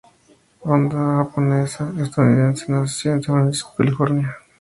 Oda, japonesa estadounidense, nació en San Francisco, California.